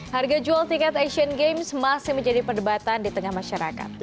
harga jual tiket asian games masih menjadi perdebatan di tengah masyarakat